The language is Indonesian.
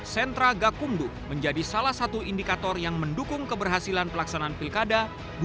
sentra gakumdu menjadi salah satu indikator yang mendukung keberhasilan pelaksanaan pilkada dua ribu dua puluh